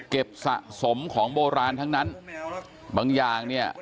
สะสมของโบราณทั้งนั้นบางอย่างเนี่ย